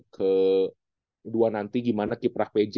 kedua nanti gimana kiprah pj